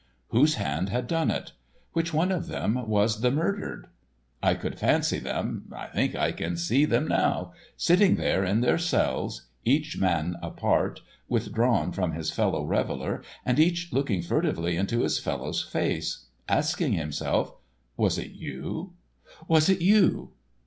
Whose hand had done it? Which one of them was the murdered? I could fancy them—I think I can see them now—sitting there in their cells, each man apart, withdrawn from his fellow reveler, and each looking furtively into his fellow's face, asking himself, "Was it you? Was it you?